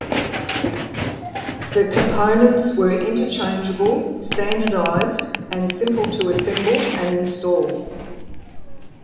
The components were interchangeable, standardized, and simple to assemble and install.